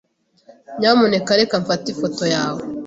Nyamuneka reka mfate ifoto yawe.